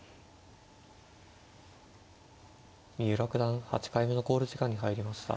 三浦九段８回目の考慮時間に入りました。